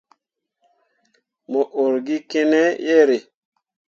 Mo ur gi kene yerre ?